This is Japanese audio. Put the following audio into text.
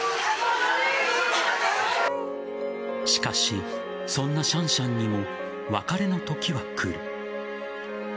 しかしそんなシャンシャンにも別れの時は来る。